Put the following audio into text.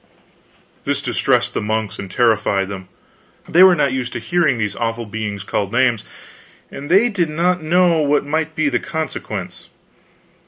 This distressed the monks and terrified them. They were not used to hearing these awful beings called names, and they did not know what might be the consequence.